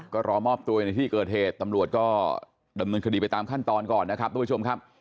ก็รอมอบตัวในที่เกิดเหตุตำรวจก็ดำเนินคดีไปตามขั้นตอนก่อนนะครับ